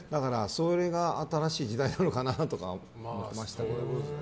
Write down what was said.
それが新しい時代なのかなと思ってましたけど。